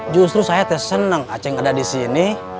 justru saya terseneng acing ada disini